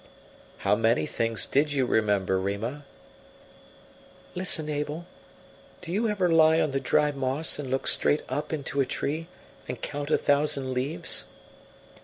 "How many things did you remember, Rima?" "Listen, Abel, do you ever lie on the dry moss and look straight up into a tree and count a thousand leaves?"